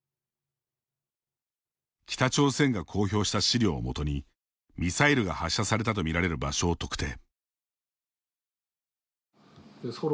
北朝鮮が公表した資料をもとにミサイルが発射されたと見られる場所を特定。